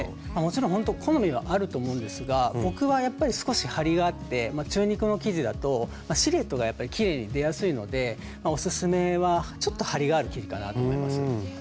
もちろんほんと好みがあると思うんですが僕はやっぱり少し張りがあって中肉の生地だとシルエットがやっぱりきれいに出やすいのでおすすめはちょっと張りがある生地かなと思います。